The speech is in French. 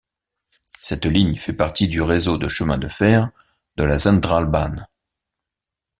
Cette ligne fait partie du réseau de chemins de fer de la Zentralbahn.